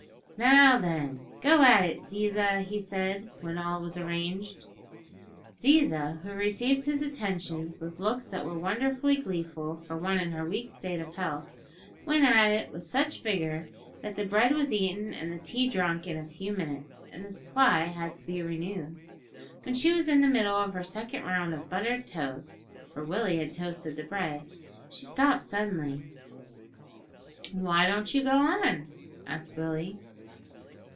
"Now, then, go at it, Ziza," he said, when all was arranged. Ziza, who received his attentions with looks that were wonderfully gleeful for one in her weak state of health, went at it with such vigour that the bread was eaten and the tea drunk in a few minutes, and the supply had to be renewed. When she was in the middle of her second round of buttered toast (for Willie had toasted the bread), she stopped suddenly. "Why don't you go on?" asked Willie.